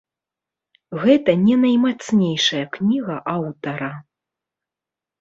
Гэта не наймацнейшая кніга аўтара.